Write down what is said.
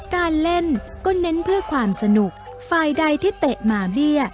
การเล่นก็เน้นเพื่อความสนุกฝ่ายใดที่เตะมาเบี้ย